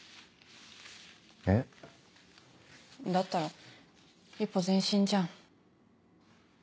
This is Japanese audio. えっ？だったら一歩前進じゃん。